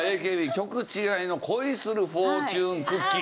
曲違いの『恋するフォーチュンクッキー』。